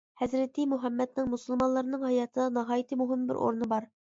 ھەزرىتى مۇھەممەدنىڭ مۇسۇلمانلارنىڭ ھاياتىدا ناھايىتى مۇھىم بىر ئورنى بار.